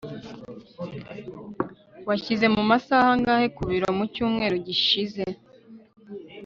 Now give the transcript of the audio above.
washyize mu masaha angahe ku biro mu cyumweru gishize